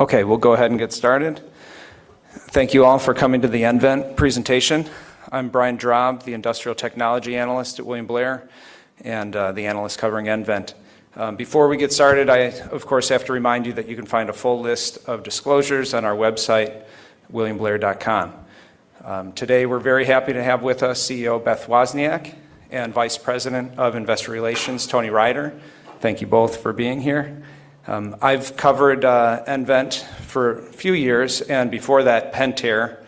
Okay, we'll go ahead and get started. Thank you all for coming to the nVent presentation. I'm Brian Drab, the industrial technology analyst at William Blair, and the analyst covering nVent. Before we get started, I, of course, have to remind you that you can find a full list of disclosures on our website, williamblair.com. Today, we're very happy to have with us CEO Beth Wozniak and Vice President of Investor Relations, Tony Rider. Thank you both for being here. I've covered nVent for a few years, and before that Pentair,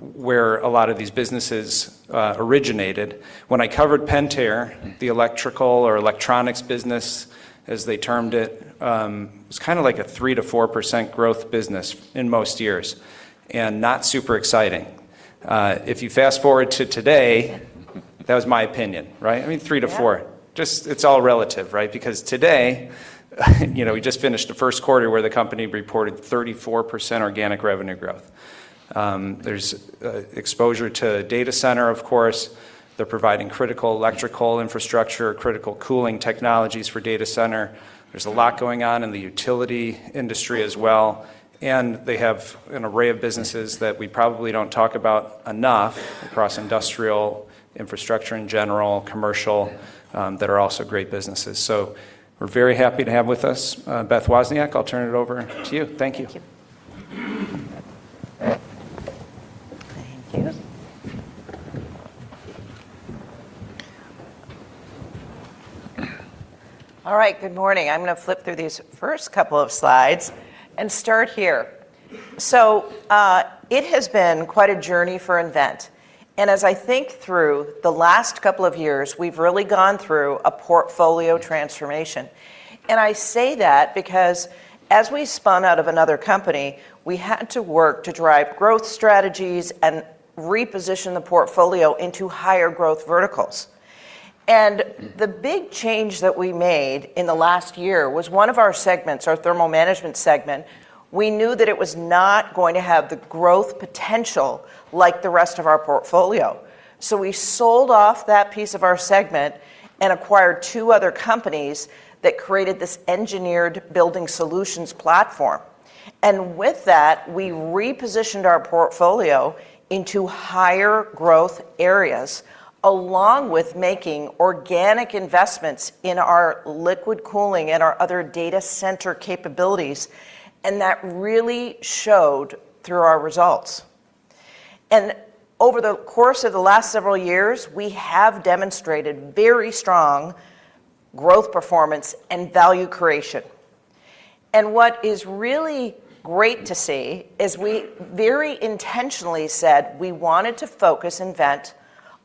where a lot of these businesses originated. When I covered Pentair, the electrical or electronics business, as they termed it was kind of like a 3%-4% growth business in most years, and not super exciting. If you fast-forward to today, that was my opinion, right? I mean, 3%-4%. Yeah. It's all relative, right? Today, we just finished the first quarter where the company reported 34% organic revenue growth. There's exposure to data center, of course. They're providing critical electrical infrastructure, critical cooling technologies for data center. There's a lot going on in the utility industry as well. They have an array of businesses that we probably don't talk about enough across industrial, infrastructure in general, commercial, that are also great businesses. We're very happy to have with us Beth Wozniak. I'll turn it over to you. Thank you. Thank you. All right. Good morning. I'm going to flip through these first couple of slides and start here. It has been quite a journey for nVent, and as I think through the last couple of years, we've really gone through a portfolio transformation. I say that because as we spun out of another company, we had to work to drive growth strategies and reposition the portfolio into higher growth verticals. The big change that we made in the last year was one of our segments, our Thermal Management segment, we knew that it was not going to have the growth potential like the rest of our portfolio. We sold off that piece of our segment and acquired two other companies that created this Engineered Building Solutions platform. With that, we repositioned our portfolio into higher growth areas, along with making organic investments in our Liquid Cooling and our other data center capabilities, and that really showed through our results. Over the course of the last several years, we have demonstrated very strong growth performance and value creation. What is really great to see is we very intentionally said we wanted to focus nVent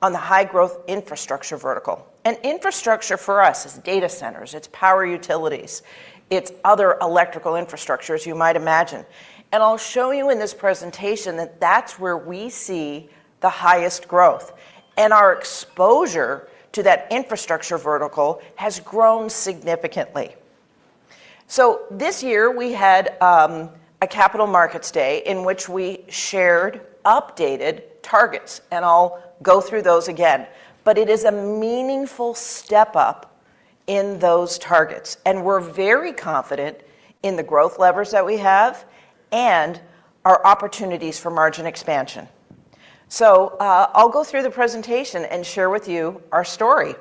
on the high growth infrastructure vertical. Infrastructure for us is data centers, it's power utilities, it's other electrical infrastructure, as you might imagine. I'll show you in this presentation that that's where we see the highest growth. Our exposure to that infrastructure vertical has grown significantly. This year we had a capital markets day in which we shared updated targets, and I'll go through those again, but it is a meaningful step up in those targets, and we're very confident in the growth levers that we have and our opportunities for margin expansion. I'll go through the presentation and share with you our story.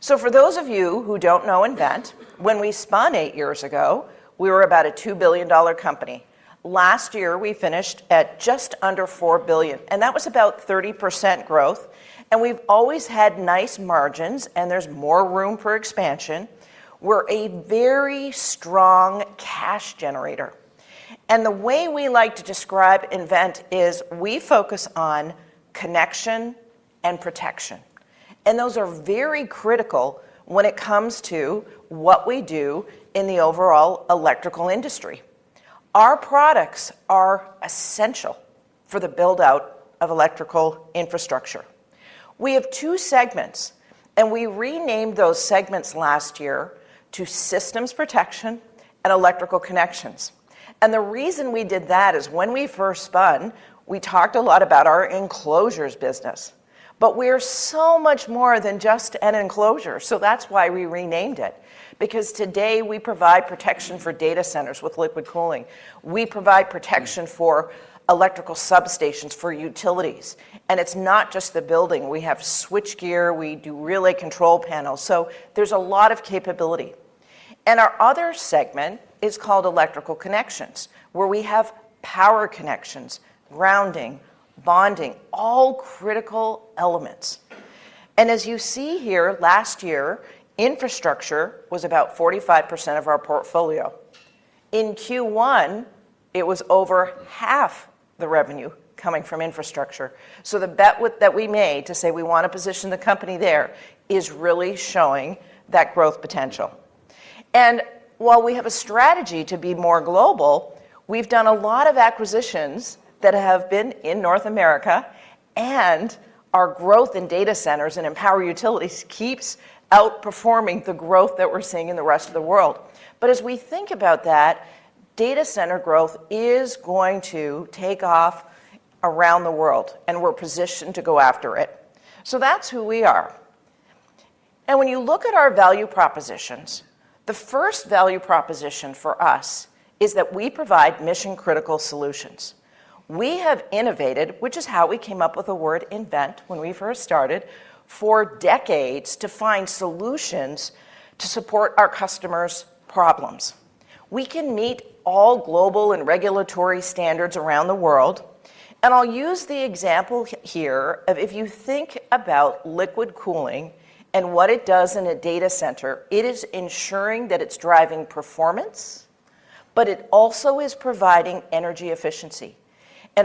For those of you who don't know nVent, when we spun eight years ago, we were about a $2 billion company. Last year, we finished at just under $4 billion, and that was about 30% growth, and we've always had nice margins, and there's more room for expansion. We're a very strong cash generator. The way we like to describe nVent is we focus on connection and protection, and those are very critical when it comes to what we do in the overall electrical industry. Our products are essential for the build-out of electrical infrastructure. We have two segments, we renamed those segments last year to Systems Protection and Electrical Connections. The reason we did that is when we first spun, we talked a lot about our enclosures business, we are so much more than just an enclosure. That's why we renamed it, because today we provide protection for data centers with Liquid Cooling. We provide protection for electrical substations for utilities, it's not just the building. We have switch gear. We do relay control panels. There's a lot of capability. Our other segment is called Electrical Connections, where we have power connections, grounding, bonding, all critical elements. As you see here, last year, infrastructure was about 45% of our portfolio. In Q1, it was over half the revenue coming from infrastructure. The bet that we made to say we want to position the company there is really showing that growth potential. While we have a strategy to be more global, we've done a lot of acquisitions that have been in North America, and our growth in data centers and in power utilities keeps outperforming the growth that we're seeing in the rest of the world. As we think about that, data center growth is going to take off around the world, and we're positioned to go after it. That's who we are. When you look at our value propositions, the first value proposition for us is that we provide mission-critical solutions. We have innovated, which is how we came up with the word nVent when we first started, for decades to find solutions to support our customers' problems. We can meet all global and regulatory standards around the world. I'll use the example here of if you think about Liquid Cooling and what it does in a data center, it is ensuring that it's driving performance, but it also is providing energy efficiency.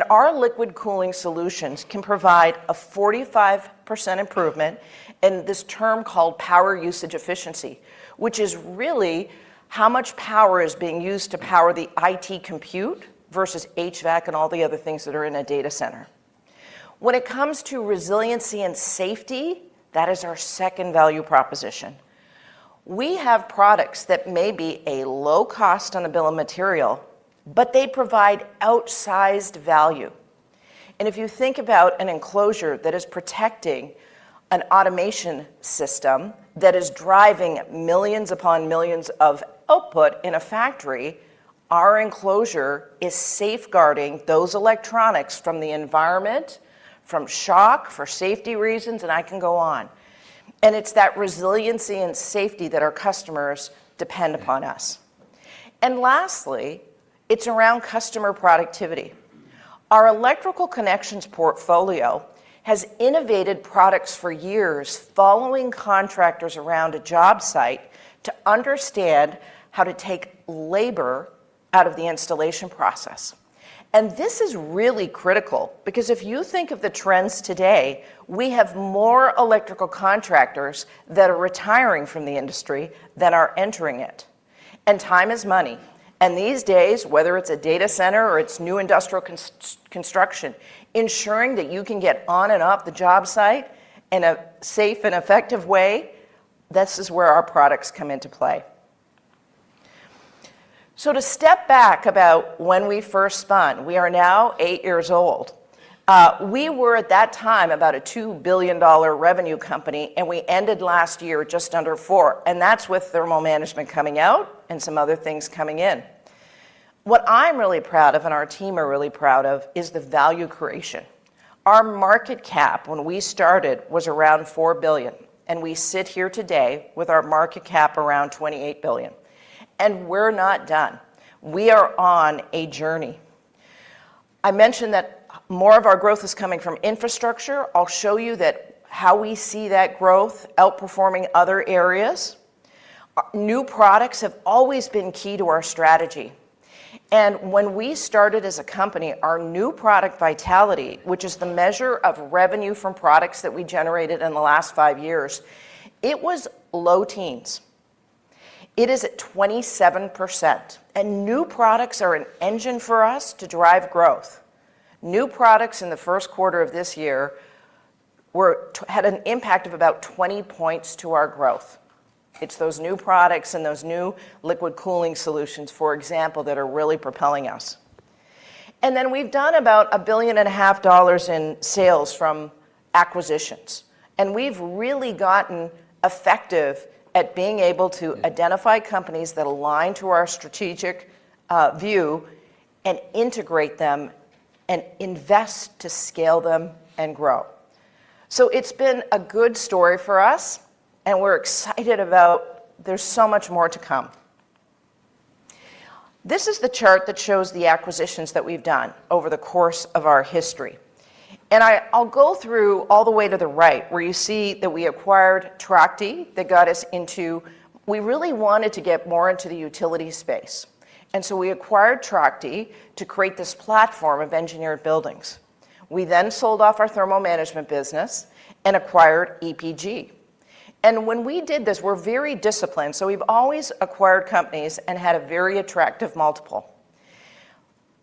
Our Liquid Cooling solutions can provide a 45% improvement in this term called Power Usage Effectiveness, which is really how much power is being used to power the IT compute versus HVAC and all the other things that are in a data center. When it comes to resiliency and safety, that is our second value proposition. We have products that may be a low cost on a bill of material, but they provide outsized value. If you think about an enclosure that is protecting an automation system that is driving millions upon millions of output in a factory, our enclosure is safeguarding those electronics from the environment, from shock, for safety reasons, and I can go on. It's that resiliency and safety that our customers depend upon us. Lastly, it's around customer productivity. Our Electrical Connections portfolio has innovated products for years, following contractors around a job site to understand how to take labor out of the installation process. This is really critical because if you think of the trends today, we have more electrical contractors that are retiring from the industry than are entering it, and time is money. These days, whether it's a data center or it's new industrial construction, ensuring that you can get on and off the job site in a safe and effective way, this is where our products come into play. To step back about when we first spun, we are now eight years old. We were at that time about a $2 billion revenue company, and we ended last year just under $4 billion, and that's with Thermal Management coming out and some other things coming in. What I'm really proud of and our team are really proud of is the value creation. Our market cap when we started was around $4 billion, and we sit here today with our market cap around $28 billion. We're not done. We are on a journey. I mentioned that more of our growth is coming from infrastructure. I'll show you that how we see that growth outperforming other areas. New products have always been key to our strategy. When we started as a company, our New Product Vitality, which is the measure of revenue from products that we generated in the last five years, it was low teens. It is at 27%. New products are an engine for us to drive growth. New products in the first quarter of this year had an impact of about 20 points to our growth. It's those new products and those new Liquid Cooling solutions, for example, that are really propelling us. We've done about a billion and a half dollars in sales from acquisitions, and we've really gotten effective at being able to identify companies that align to our strategic view and integrate them and invest to scale them and grow. It's been a good story for us, and we're excited about there's so much more to come. This is the chart that shows the acquisitions that we've done over the course of our history. I'll go through all the way to the right where you see that we acquired Trachte. We really wanted to get more into the utility space, we acquired Trachte to create this platform of engineered buildings. We then sold off our Thermal Management business and acquired EPG. When we did this, we're very disciplined, we've always acquired companies and had a very attractive multiple.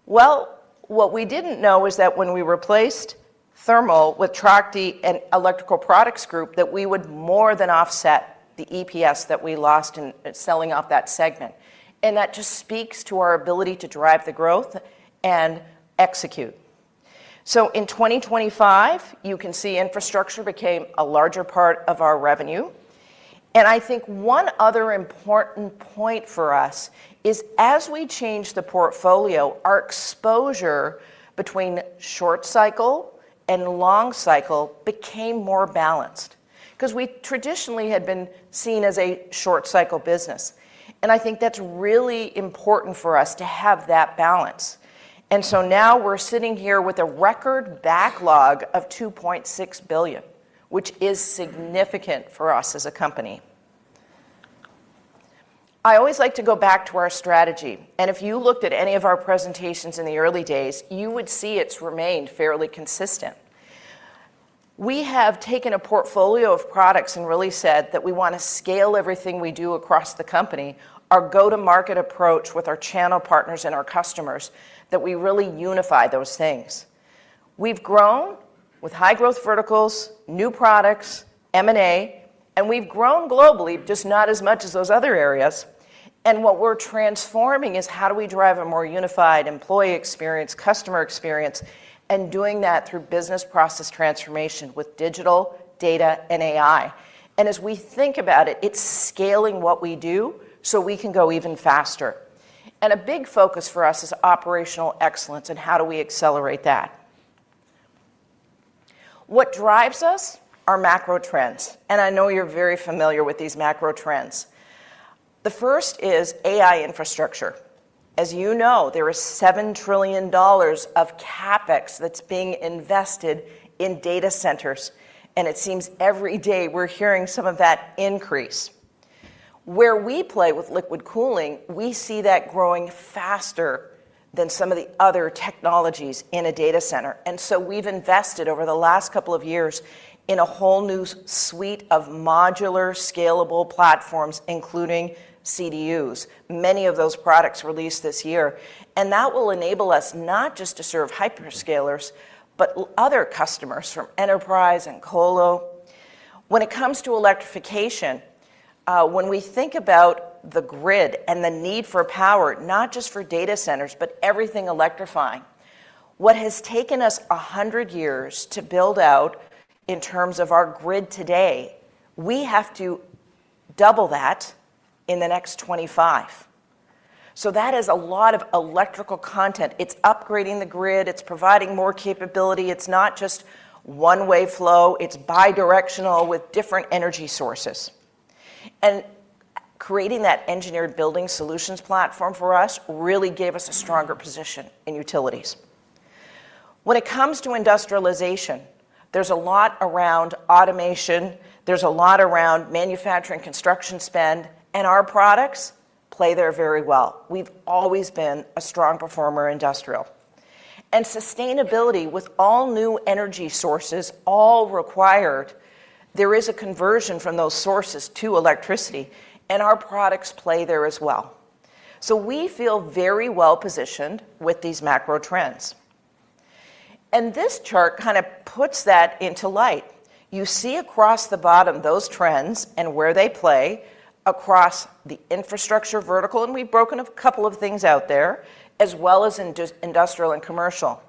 What we didn't know was that when we replaced thermal with Trachte and Electrical Products Group, that we would more than offset the EPS that we lost in selling off that segment. That just speaks to our ability to drive the growth and execute. In 2025, you can see infrastructure became a larger part of our revenue. I think one other important point for us is as we changed the portfolio, our exposure between short cycle and long cycle became more balanced because we traditionally had been seen as a short cycle business. I think that's really important for us to have that balance. Now we're sitting here with a record backlog of $2.6 billion, which is significant for us as a company. I always like to go back to our strategy, and if you looked at any of our presentations in the early days, you would see it's remained fairly consistent. We have taken a portfolio of products and really said that we want to scale everything we do across the company, our go-to-market approach with our channel partners and our customers, that we really unify those things. We've grown with high growth verticals, new products, M&A, and we've grown globally, just not as much as those other areas. What we're transforming is how do we drive a more unified employee experience, customer experience, and doing that through business process transformation with digital, data, and AI. As we think about it's scaling what we do so we can go even faster. A big focus for us is operational excellence and how do we accelerate that. What drives us are macro trends, and I know you're very familiar with these macro trends. The first is AI infrastructure. As you know, there is $7 trillion of CapEx that's being invested in data centers, and it seems every day we're hearing some of that increase. Where we play with Liquid Cooling, we see that growing faster than some of the other technologies in a data center. We've invested over the last couple of years in a whole new suite of modular, scalable platforms, including CDUs, many of those products released this year. That will enable us not just to serve hyperscalers, but other customers from enterprise and colo. When it comes to electrification, when we think about the grid and the need for power, not just for data centers, but everything electrifying, what has taken us 100 years to build out in terms of our grid today, we have to double that in the next 25. That is a lot of electrical content. It's upgrading the grid, it's providing more capability. It's not just one-way flow, it's bidirectional with different energy sources. Creating that Engineered Building Solutions platform for us really gave us a stronger position in utilities. When it comes to industrialization, there's a lot around automation, there's a lot around manufacturing, construction spend, and our products play there very well. We've always been a strong performer industrial. Sustainability with all new energy sources, all required, there is a conversion from those sources to electricity, and our products play there as well. We feel very well positioned with these macro trends. This chart kind of puts that into light. You see across the bottom those trends and where they play across the infrastructure vertical, and we've broken a couple of things out there, as well as in industrial and commercial.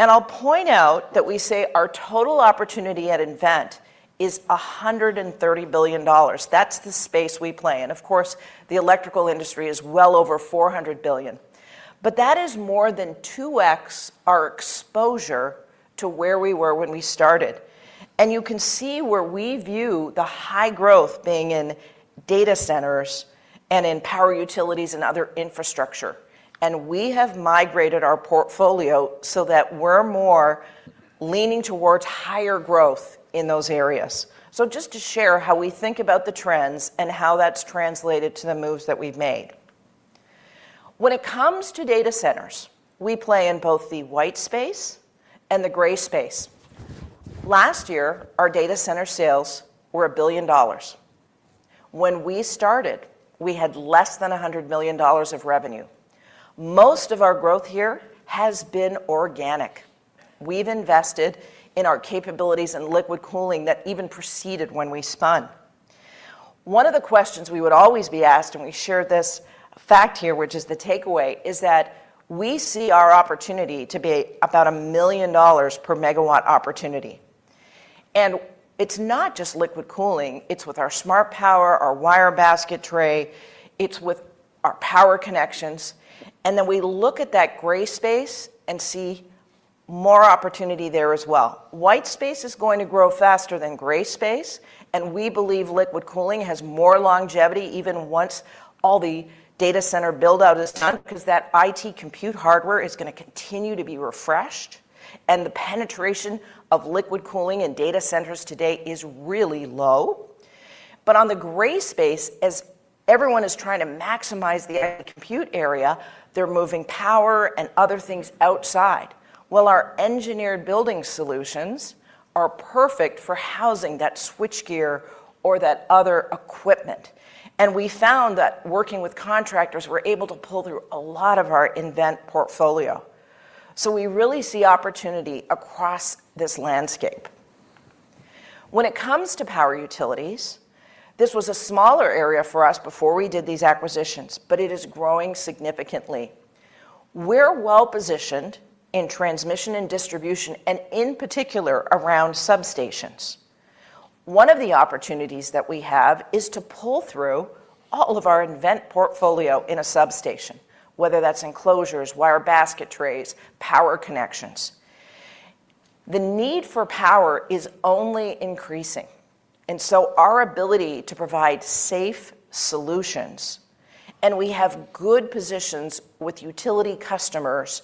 I'll point out that we say our total opportunity at nVent is $130 billion. That's the space we play in. Of course, the electrical industry is well over $400 billion. That is more than 2x our exposure to where we were when we started. You can see where we view the high growth being in data centers and in power utilities and other infrastructure. We have migrated our portfolio so that we're more leaning towards higher growth in those areas. Just to share how we think about the trends and how that's translated to the moves that we've made. When it comes to data centers, we play in both the white space and the gray space. Last year, our data center sales were $1 billion. When we started, we had less than $100 million of revenue. Most of our growth here has been organic. We've invested in our capabilities in Liquid Cooling that even preceded when we spun. One of the questions we would always be asked, and we share this fact here, which is the takeaway, is that we see our opportunity to be about a $1 million per MW opportunity. It's not just Liquid Cooling, it's with our smart power, our Wire Basket Tray, it's with our Power Connections. We look at that gray space and see more opportunity there as well. White space is going to grow faster than gray space, and we believe Liquid Cooling has more longevity, even once all the data center build-out is done because that IT compute hardware is going to continue to be refreshed. The penetration of Liquid Cooling in data centers today is really low. On the gray space, as everyone is trying to maximize the end compute area, they're moving power and other things outside. Well, our Engineered Building Solutions are perfect for housing that switchgear or that other equipment. We found that working with contractors, we're able to pull through a lot of our nVent portfolio. We really see opportunity across this landscape. When it comes to power utilities, this was a smaller area for us before we did these acquisitions, but it is growing significantly. We're well-positioned in transmission and distribution, and in particular, around substations. One of the opportunities that we have is to pull through all of our nVent portfolio in a substation, whether that's enclosures, Wire Basket Tray, Power Connections. The need for power is only increasing, and so our ability to provide safe solutions, and we have good positions with utility customers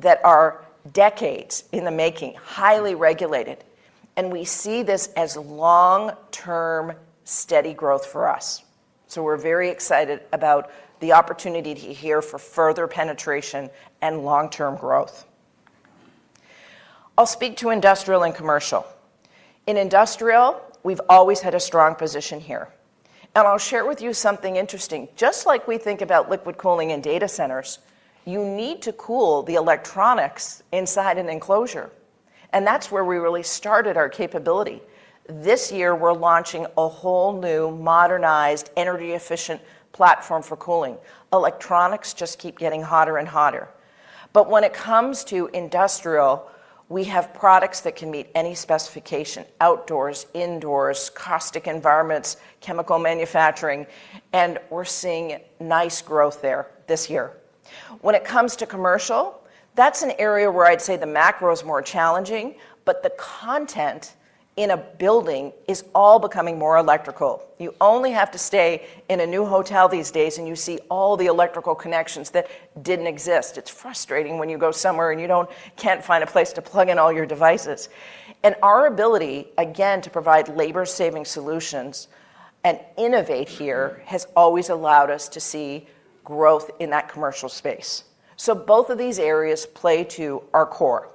that are decades in the making, highly regulated, and we see this as long-term, steady growth for us. We're very excited about the opportunity here for further penetration and long-term growth. I'll speak to industrial and commercial. In industrial, we've always had a strong position here. I'll share with you something interesting. Just like we think about Liquid Cooling in data centers, you need to cool the electronics inside an enclosure, and that's where we really started our capability. This year, we're launching a whole new modernized, energy-efficient platform for cooling. Electronics just keep getting hotter and hotter. When it comes to industrial, we have products that can meet any specification: outdoors, indoors, caustic environments, chemical manufacturing. We're seeing nice growth there this year. When it comes to commercial, that's an area where I'd say the macro is more challenging, but the content in a building is all becoming more electrical. You only have to stay in a new hotel these days, and you see all the electrical connections that didn't exist. It's frustrating when you go somewhere, and you can't find a place to plug in all your devices. Our ability, again, to provide labor-saving solutions and innovate here has always allowed us to see growth in that commercial space. Both of these areas play to our core.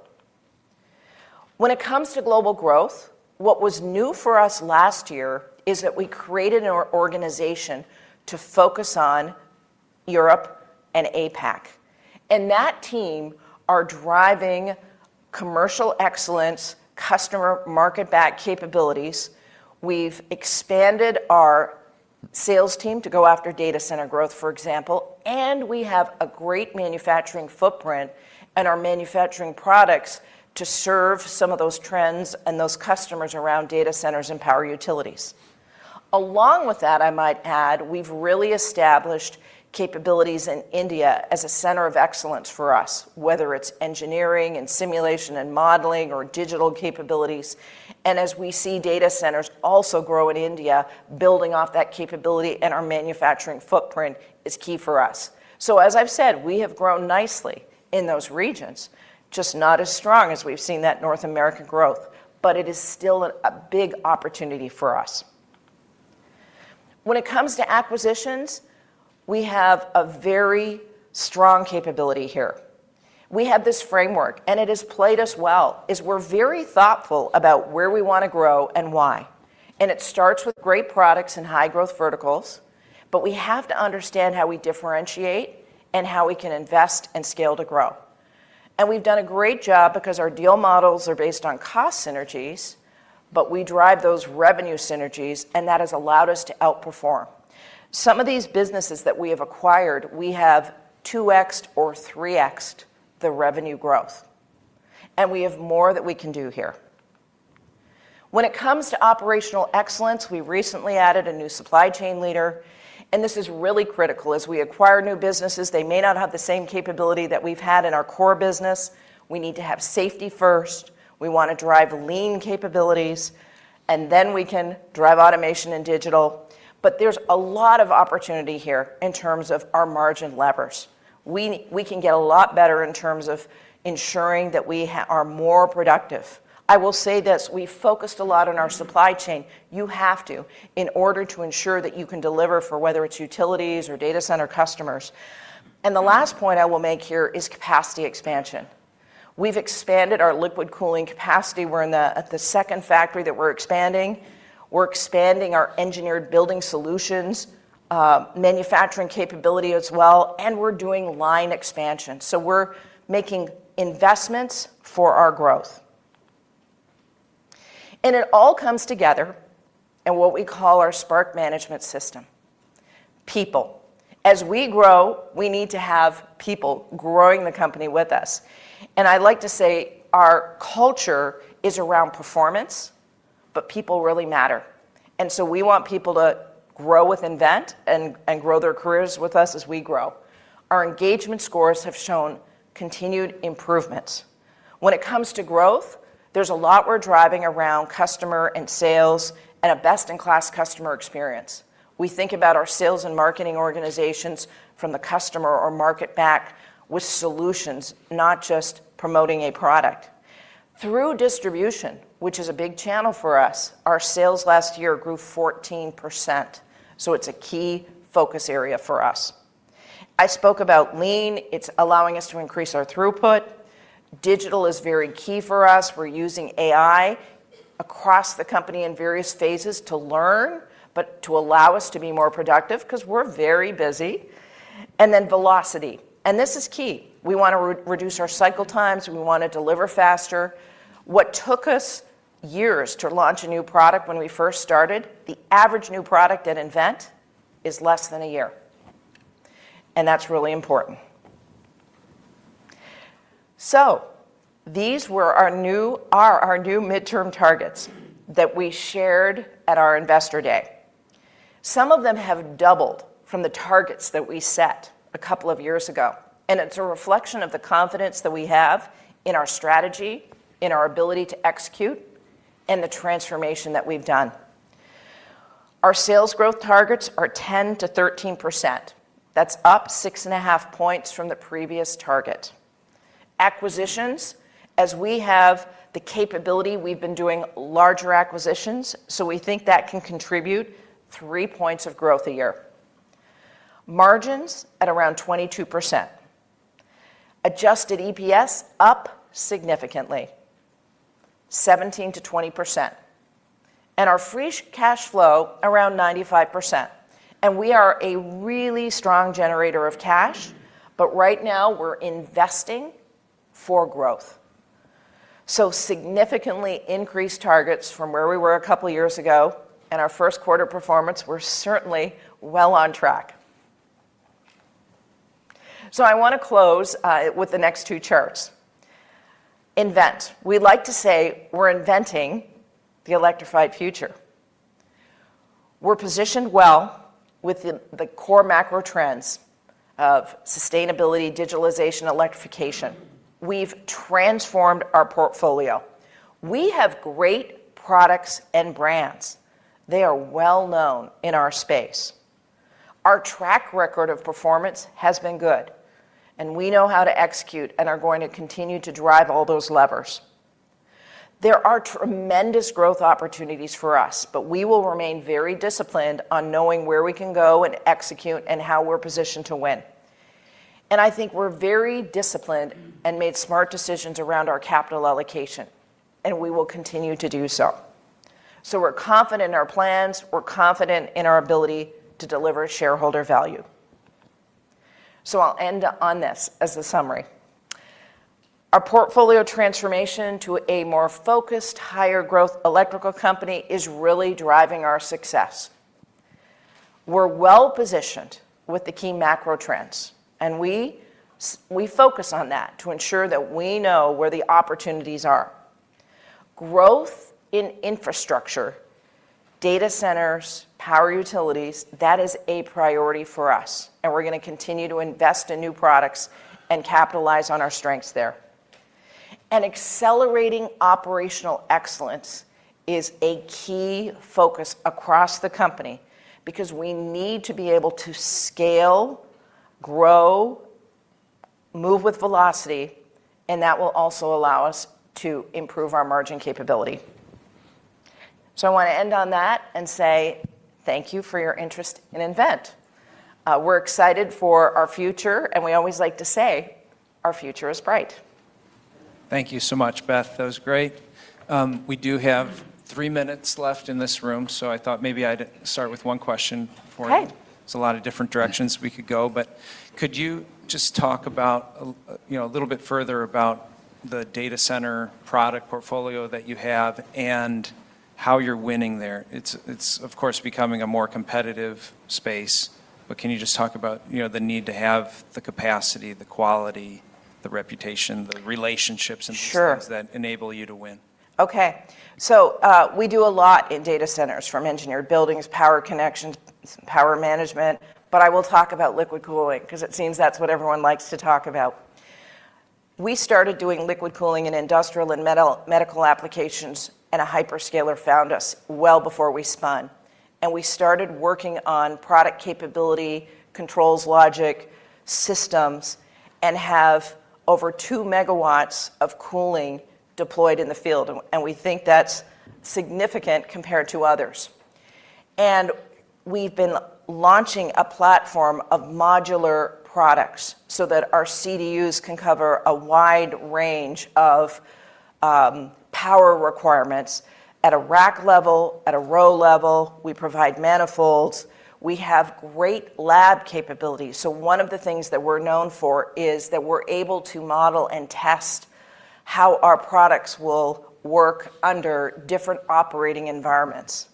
When it comes to global growth, what was new for us last year is that we created an organization to focus on Europe and APAC. That team are driving commercial excellence, customer market-back capabilities. We've expanded our sales team to go after data center growth, for example, and we have a great manufacturing footprint and are manufacturing products to serve some of those trends and those customers around data centers and power utilities. Along with that, I might add, we've really established capabilities in India as a center of excellence for us, whether it's engineering and simulation and modeling or digital capabilities. As we see data centers also grow in India, building off that capability and our manufacturing footprint is key for us. As I've said, we have grown nicely in those regions, just not as strong as we've seen that North American growth, but it is still a big opportunity for us. When it comes to acquisitions, we have a very strong capability here. We have this framework, and it has played us well, is we're very thoughtful about where we want to grow and why. It starts with great products and high-growth verticals, but we have to understand how we differentiate and how we can invest and scale to grow. We've done a great job because our deal models are based on cost synergies, but we drive those revenue synergies, and that has allowed us to outperform. Some of these businesses that we have acquired, we have 2x-ed or 3x-ed the revenue growth, and we have more that we can do here. When it comes to operational excellence, we recently added a new supply chain leader, and this is really critical. As we acquire new businesses, they may not have the same capability that we've had in our core business. We need to have safety first. We want to drive lean capabilities, then we can drive automation and digital. There's a lot of opportunity here in terms of our margin levers. We can get a lot better in terms of ensuring that we are more productive. I will say this: we've focused a lot on our supply chain. You have to in order to ensure that you can deliver for whether it's utilities or data center customers. The last point I will make here is capacity expansion. We've expanded our Liquid Cooling capacity. We're in the second factory that we're expanding. We're expanding our Engineered Building Solutions, manufacturing capability as well, and we're doing line expansion. We're making investments for our growth. It all comes together in what we call our Spark Management System. People. As we grow, we need to have people growing the company with us. I like to say our culture is around performance, but people really matter. So we want people to grow with nVent and grow their careers with us as we grow. Our engagement scores have shown continued improvements. When it comes to growth, there's a lot we're driving around customer and sales and a best-in-class customer experience. We think about our sales and marketing organizations from the customer or market back with solutions, not just promoting a product. Through distribution, which is a big channel for us, our sales last year grew 14%, so it's a key focus area for us. I spoke about lean. It's allowing us to increase our throughput. Digital is very key for us. We're using AI across the company in various phases to learn, but to allow us to be more productive because we're very busy. Then velocity, and this is key. We want to reduce our cycle times. We want to deliver faster. What took us years to launch a new product when we first started, the average new product at nVent is less than a year, and that's really important. These are our new midterm targets that we shared at our Investor Day. Some of them have doubled from the targets that we set a couple of years ago, and it's a reflection of the confidence that we have in our strategy, in our ability to execute, and the transformation that we've done. Our sales growth targets are 10%-13%. That's up 6.5 points from the previous target. Acquisitions, as we have the capability, we've been doing larger acquisitions, so we think that can contribute 3 points of growth a year. Margins at around 22%. Adjusted EPS up significantly 17%-20%, and our free cash flow around 95%. We are a really strong generator of cash, but right now we're investing for growth. Significantly increased targets from where we were two years ago in our first quarter performance, we're certainly well on track. I want to close with the next two charts. nVent. We like to say we're inventing the electrified future. We're positioned well within the core macro trends of sustainability, digitalization, electrification. We've transformed our portfolio. We have great products and brands. They are well-known in our space. Our track record of performance has been good, and we know how to execute and are going to continue to drive all those levers. There are tremendous growth opportunities for us, we will remain very disciplined on knowing where we can go and execute and how we're positioned to win. I think we're very disciplined and made smart decisions around our capital allocation, and we will continue to do so. We're confident in our plans, we're confident in our ability to deliver shareholder value. I'll end on this as the summary. Our portfolio transformation to a more focused, higher growth electrical company is really driving our success. We're well-positioned with the key macro trends, and we focus on that to ensure that we know where the opportunities are. Growth in infrastructure, data centers, power utilities, that is a priority for us, and we're going to continue to invest in new products and capitalize on our strengths there. Accelerating operational excellence is a key focus across the company because we need to be able to scale, grow, move with velocity, and that will also allow us to improve our margin capability. I want to end on that and say thank you for your interest in nVent. We're excited for our future, and we always like to say our future is bright. Thank you so much, Beth. That was great. We do have three minutes left in this room, so I thought maybe I'd start with one question for you. Okay. There's a lot of different directions we could go. Could you just talk a little bit further about the data center product portfolio that you have and how you're winning there? It's of course becoming a more competitive space, can you just talk about the need to have the capacity, the quality, the reputation, the relationships and those things - Sure. - that enable you to win? Okay. We do a lot in data centers from engineered buildings, power connections, power management, but I will talk about Liquid Cooling because it seems that's what everyone likes to talk about. We started doing Liquid Cooling in industrial and medical applications. A hyperscaler found us well before we spun. We started working on product capability, controls logic, systems, and have over 2 MW of cooling deployed in the field. We think that's significant compared to others. We've been launching a platform of modular products so that our CDUs can cover a wide range of power requirements at a rack level, at a row level. We provide manifolds. We have great lab capabilities. One of the things that we're known for is that we're able to model and test how our products will work under different operating environments.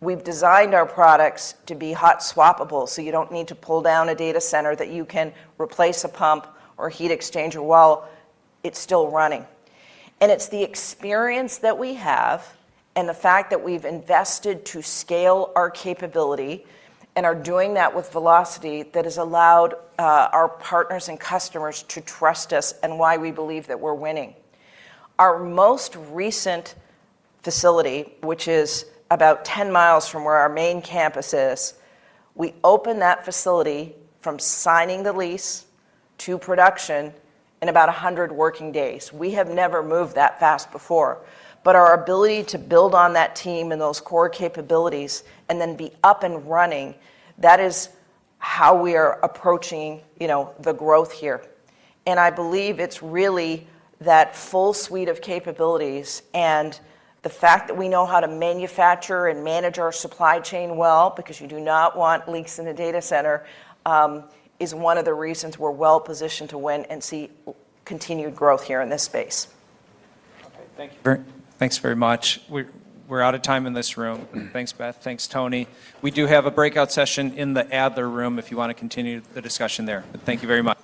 We've designed our products to be hot swappable, so you don't need to pull down a data center, that you can replace a pump or heat exchanger while it's still running. It's the experience that we have and the fact that we've invested to scale our capability and are doing that with velocity that has allowed our partners and customers to trust us and why we believe that we're winning. Our most recent facility, which is about 10 mi from where our main campus is, we opened that facility from signing the lease to production in about 100 working days. We have never moved that fast before. Our ability to build on that team and those core capabilities and then be up and running, that is how we are approaching the growth here. I believe it's really that full suite of capabilities and the fact that we know how to manufacture and manage our supply chain well, because you do not want leaks in a data center, is one of the reasons we're well-positioned to win and see continued growth here in this space. Okay. Thanks very much. We're out of time in this room. Thanks, Beth. Thanks, Tony. We do have a breakout session in the Adler Room if you want to continue the discussion there. Thank you very much.